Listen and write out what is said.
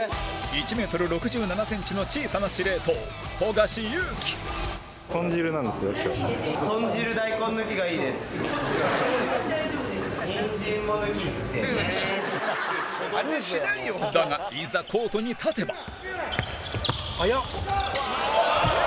１ｍ６７ｃｍの小さな司令塔、富樫勇樹だが、いざコートに立てば蛍原：速っ！